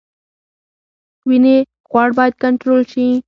وینې غوړ باید کنټرول شي